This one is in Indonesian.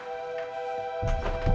dia sudah berakhir